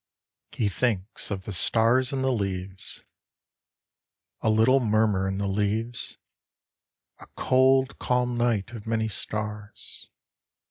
He thinks of the Stars and the Leaves A LITTLE murmur in the leaves A cold, calm night of many stars.